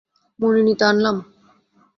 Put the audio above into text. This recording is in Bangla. মণি নিতে আনলাম।